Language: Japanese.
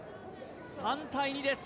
３対２です